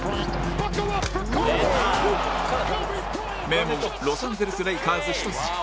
名門ロサンゼルス・レイカーズひと筋